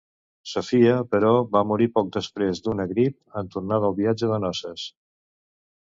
Sofia, però va morir poc després d'una grip en tornar del viatge de noces.